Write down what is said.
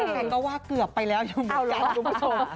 แผงก็ว่าเกือบไปแล้วอยู่เหมือนกันคุณผู้ชม